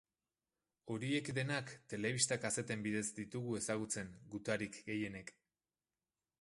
Horiek denak telebista-kazeten bidez ditugu ezagutzen gutarik gehienek.